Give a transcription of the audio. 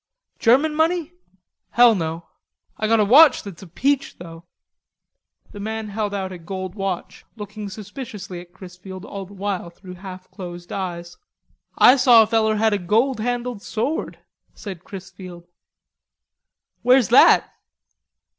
"German money? Hell, no.... I got a watch that's a peach though." The man held out a gold watch, looking suspiciously at Chrisfield all the while through half closed eyes. "Ah saw a feller had a gold handled sword," said Chrisfield. "Where's that?"